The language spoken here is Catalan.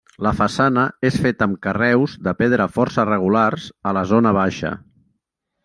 La façana és feta amb carreus de pedra força regulars a la zona baixa.